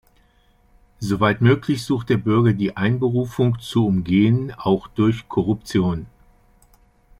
Soweit möglich, sucht der Bürger die Einberufung zu umgehen, auch durch Korruption.